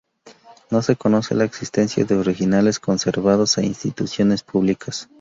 No se conoce la existencia de originales conservados en instituciones públicas.